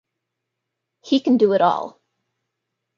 He can do it all.